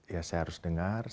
ya saya harus dengar